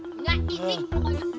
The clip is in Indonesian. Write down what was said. enggak gini pokoknya